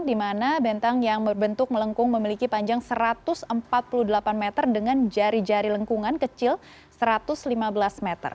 di mana bentang yang berbentuk melengkung memiliki panjang satu ratus empat puluh delapan meter dengan jari jari lengkungan kecil satu ratus lima belas meter